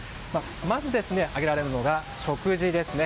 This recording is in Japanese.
まず挙げられるのが食事ですね。